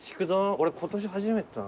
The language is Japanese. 俺今年初めてだな。